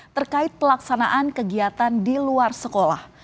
terkait pelaksanaan kegiatan di luar sekolah